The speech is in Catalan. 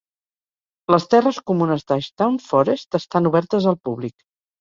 Les terres comunes d'Ashdown Forest estan obertes al públic.